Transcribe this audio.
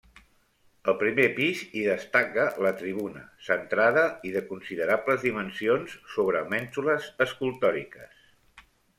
Al primer pis hi destaca la tribuna, centrada i de considerables dimensions, sobre mènsules escultòriques.